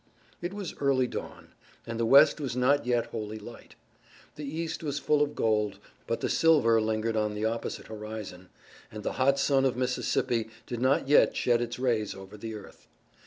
It was early dawn, and the west was not yet wholly light. The east was full of gold, but the silver lingered on the opposite horizon, and the hot sun of Mississippi did not yet shed its rays over the earth.